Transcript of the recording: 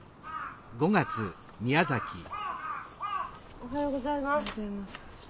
おはようございます。